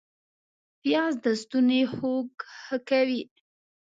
پیاز د ستوني خوږ ښه کوي